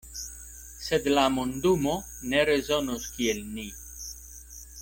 Sed la mondumo ne rezonos kiel ni.